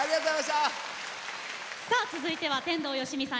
さあ続いては天童よしみさん